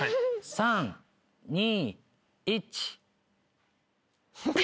３・２・１。